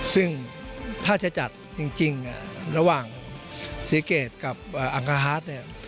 ซึ่งถ้าจะจัดจริงระหว่างศรีเกตกับอังกาฮาร์ดเนี่ย